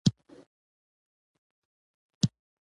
له ما څېرونکی ځناور جوړ شوی